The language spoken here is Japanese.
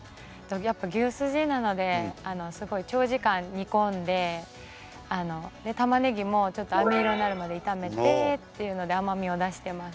やっぱ牛すじなのですごい長時間煮込んで玉ねぎもあめ色になるまで炒めてっていうので甘みを出してます。